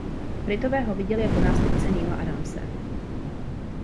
Britové ho viděli jako nástupce Neila Adamse.